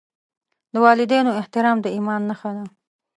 د والدینو احترام د ایمان نښه ده.